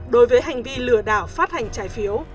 đối với hành vi lừa đảo phát hành trái phiếu